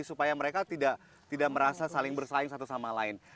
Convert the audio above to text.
supaya mereka tidak merasa saling bersaing satu sama lain